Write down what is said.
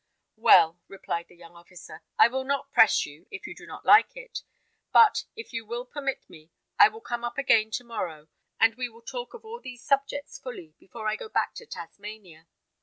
"Well," replied the young officer, "I will not press you, if you do not like it; but if you will permit me, I will come up again to morrow, and we will talk of all these subjects fully, before I go back to Tasmania.